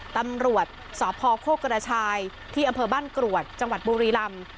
ตำรวจสพโคกกระชายที่อำเภอบ้านกรวดจังหวัดบุรีลำ